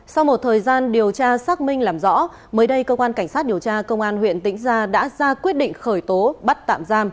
sau một thời gian điều tra xác minh làm rõ mới đây cơ quan cảnh sát điều tra công an huyện tĩnh gia đã ra quyết định khởi tố bắt tạm giam